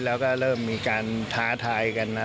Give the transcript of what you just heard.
เราก็เริ่มมีการท้าทายกัน